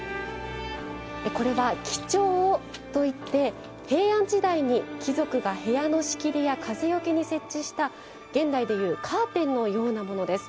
これは几帳といって平安時代に貴族が部屋の仕切りや風よけに設置した現代でいうカーテンのようなものです。